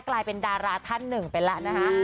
กลายเป็นดาราท่านหนึ่งไปแล้วนะฮะ